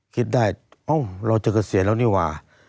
คิดได้อ้าวเราเจอกับเสียงแล้วนี่ว่า